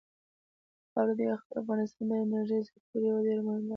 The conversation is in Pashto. خاوره د افغانستان د انرژۍ سکتور یوه ډېره مهمه برخه ده.